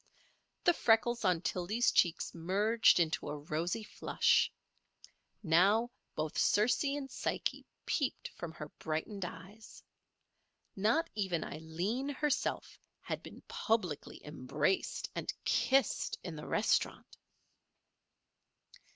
The freckles on Tildy's cheeks merged into a rosy flush. Now both Circe and Psyche peeped from her brightened eyes. Not even Aileen herself had been publicly embraced and kissed in the restaurant.